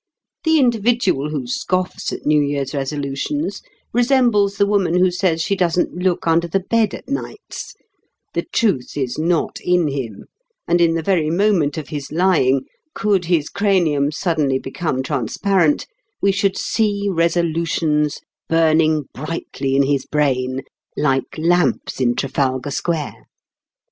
The individual who scoffs at New Year's Resolutions resembles the woman who says she doesn't look under the bed at nights; the truth is not in him, and in the very moment of his lying, could his cranium suddenly become transparent, we should see Resolutions burning brightly in his brain like lamps in Trafalgar Square.